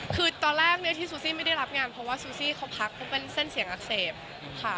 คือตอนแรกเนี่ยที่ซูซี่ไม่ได้รับงานเพราะว่าซูซี่เขาพักเพราะเป็นเส้นเสียงอักเสบค่ะ